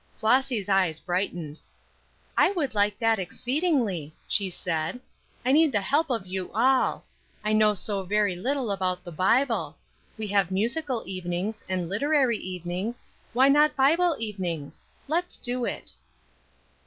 Flossy's eyes brightened. "I would like that exceedingly," she said. "I need the help of you all. I know so very little about the Bible. We have musical evenings, and literary evenings; why not Bible evenings? Let's do it."